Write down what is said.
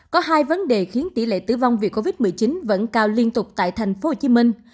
có hai vấn đề khiến tỷ lệ tử vong vì covid một mươi chín vẫn cao liên tục tại thành phố hồ chí minh